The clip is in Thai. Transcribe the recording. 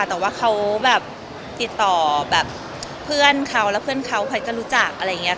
แต่ว่าเขาติดต่อเพื่อนเขาแล้วเพื่อนเขาใครก็รู้จักอะไรอย่างเงี้ย